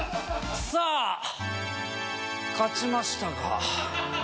さぁ勝ちましたが。